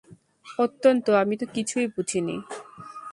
অন্তত, আমি তো কিছুই বুঝি নি।